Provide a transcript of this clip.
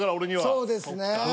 そうですね。